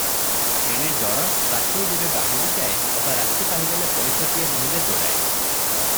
ଏଣେ ଡର, ବାଟୋଇ ଯେବେ ବାହୁଡ଼ିଯାଏ, ଅବା ରାତି ପାହିଗଲେ ପଇସାଟିଏ ନୋହିଲେ ଯୋଡ଼ାଏ ।